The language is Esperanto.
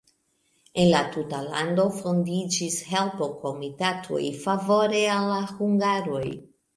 En la tuta lando fondiĝis helpo-komitatoj favore al la hungaroj.